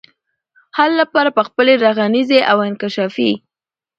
حل لپاره به خپلي رغنيزي او انکشافي